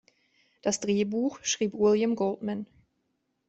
Das Drehbuch schrieb William Goldman.